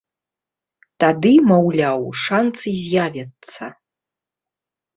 Тады, маўляў, шанцы, з'явяцца.